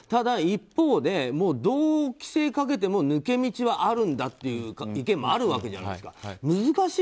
一方でどう規制をかけても抜け道があるという意見もあるわけじゃないですか。